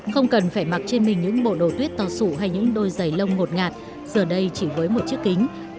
không cần phải mặc trên mình những bộ đồ tuyết to sụ hay những đôi giày lông ngột ngạt giờ đây chỉ với một chiếc kính